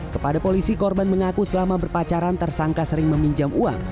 kepada polisi korban mengaku selama berpacaran tersangka sering meminjam uang